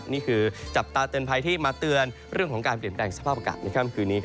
นี่คือจับตาเตือนภัยที่มาเตือนเรื่องของการเปลี่ยนแปลงสภาพอากาศในค่ำคืนนี้